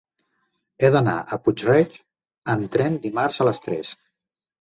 He d'anar a Puig-reig amb tren dimarts a les tres.